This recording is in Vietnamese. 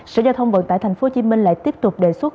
sở giao thông vận tải tp hcm lại tiếp tục đề xuất